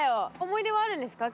想い出はあるんですか？